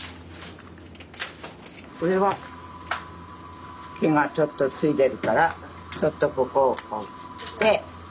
これは毛がちょっとついてるからちょっとここをこう切って。